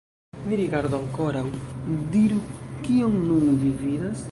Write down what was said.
Nu, rigardu ankoraŭ, diru, kion nun vi vidas?